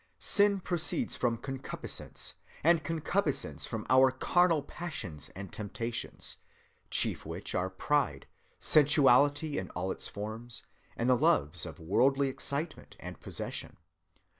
Sin proceeds from concupiscence, and concupiscence from our carnal passions and temptations, chief of which are pride, sensuality in all its forms, and the loves of worldly excitement and possession.